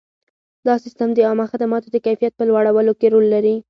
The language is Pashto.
دا سیستم د عامه خدماتو د کیفیت په لوړولو کې رول لري.